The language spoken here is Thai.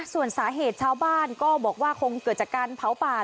ส่วนสาเหตุชาวบ้านก็บอกว่าคงเกิดจากการเผาป่า